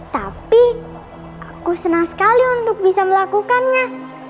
tapi aku senang sekali untuk bisa melakukannya